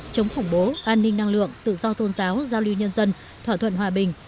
chống khủng bố an ninh năng lượng tự do tôn giáo giao lưu nhân dân thỏa thuận hòa bình